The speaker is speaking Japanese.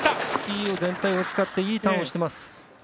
スキー全体を使っていいターンをしています。